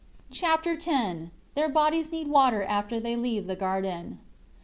Chapter X Their bodies need water after they leave the garden.